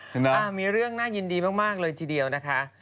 มีเรื่องน่ายินดีมากเลยทีเดียวนะคะ